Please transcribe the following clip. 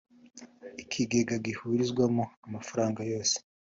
ikigega gihurizwamo amafaranga yose